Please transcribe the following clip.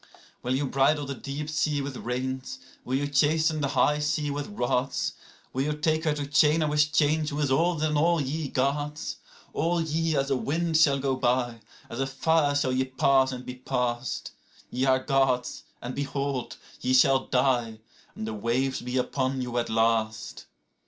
65Will ye bridle the deep sea with reins, will ye chasten the high sea with rods?66Will ye take her to chain her with chains, who is older than all ye Gods?67All ye as a wind shall go by, as a fire shall ye pass and be past;68Ye are Gods, and behold, ye shall die, and the waves be upon you at last.